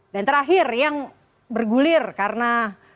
dan terakhir yang bergulir karena